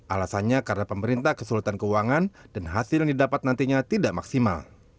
alasannya karena pemerintah kesulitan keuangan dan hasil yang didapat nantinya tidak maksimal